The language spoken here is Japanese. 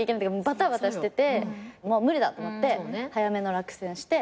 ばたばたしてて無理だと思って早めの落選して。